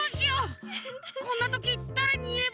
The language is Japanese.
こんなときだれにいえばいいのかな？